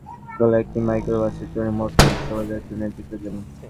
জেটিঘাট থেকে শরীফ বাদশাহ খোলা একটি মাইক্রোবাসে চড়ে মোটর শোভাযাত্রার নেতৃত্ব দেন।